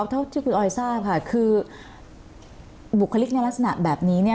เท่าที่คุณออยทราบค่ะคือบุคลิกในลักษณะแบบนี้เนี่ย